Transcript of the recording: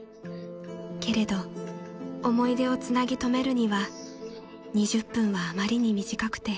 ［けれど思い出をつなぎ留めるには２０分はあまりに短くて］